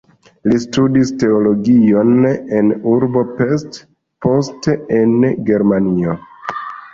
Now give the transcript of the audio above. Li studis teologion en urbo Pest, poste en Germanio.